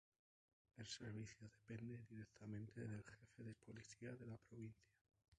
El servicio depende directamente del Jefe de la Policía de la Provincia.